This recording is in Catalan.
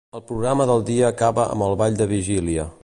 El programa del dia acaba amb el ball de vigília.